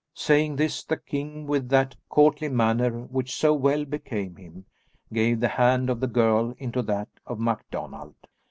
Saying this, the king, with that courtly manner which so well became him, gave the hand of the girl into that of MacDonald.